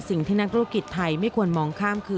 สิ่งที่นักธุรกิจไทยไม่ควรมองข้ามคือ